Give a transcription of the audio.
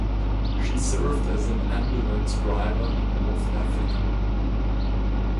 She served as an ambulance driver in north Africa.